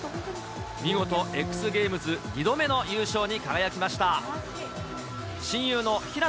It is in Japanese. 見事、ＸＧａｍｅｓ２度目の優勝に輝きました。